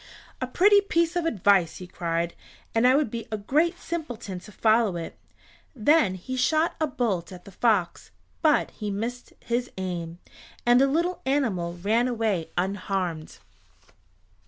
"A pretty piece of advice," he cried, "and I would be a great simpleton to follow it." Then he shot a bolt at the fox, but he missed his aim, and the little animal ran away unharmed.